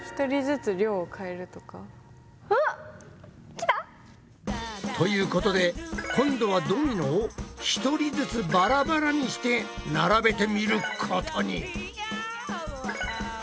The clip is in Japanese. きた？ということで今度はドミノを１人ずつバラバラにして並べてみることに。